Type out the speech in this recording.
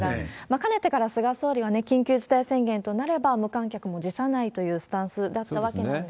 かねてから菅総理は緊急事態宣言となれば、無観客も辞さないというスタンスだったわけなんです。